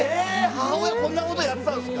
母親こんな事やってたんですか？」